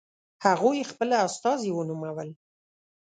هغوی خپل استازي ونومول.